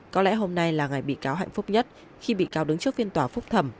có lẽ hôm nay là ngày bị cáo hạnh phúc nhất khi bị cáo đứng trước phiên tòa phúc thẩm